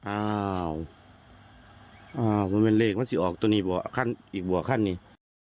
อ่าวอ่าวมันเป็นเลขมันสิออกตัวนี้บ่อขั้นอีกบ่อขั้นนี้